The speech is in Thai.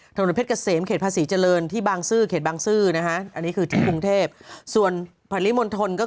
ธรรมดินเพศเกษมเขตภาษีเจริญเขตบางซื้อส่วนภรริมลธน